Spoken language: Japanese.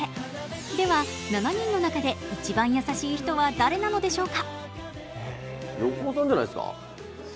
では７人の中で一番優しい人は誰なのでしょうか？